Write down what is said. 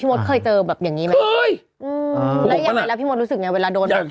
พี่โมดรู้สึกไหมพี่โมดรู้สึกไหมพี่โมดรู้สึกไหมพี่โมดรู้สึกไง